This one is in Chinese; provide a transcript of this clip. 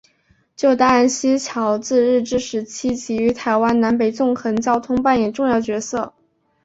旧大安溪桥自日治时期即于台湾南北纵贯交通扮演重要角色。